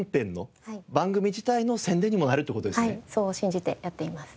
そう信じてやっています。